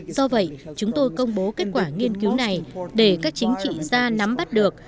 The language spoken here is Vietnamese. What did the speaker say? do vậy chúng tôi công bố kết quả nghiên cứu này để các chính trị gia nắm bắt được